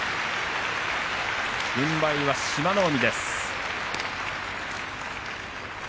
軍配は、志摩ノ海。